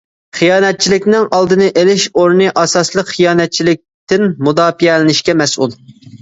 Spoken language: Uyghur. خىيانەتچىلىكنىڭ ئالدىنى ئىلىش ئورنى ئاساسلىق خىيانەتچىلىكتىن مۇداپىئەلىنىشكە مەسئۇل.